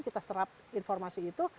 kita serap informasi itu